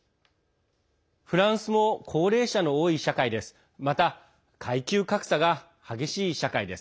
フランスも高齢者の多い社会です。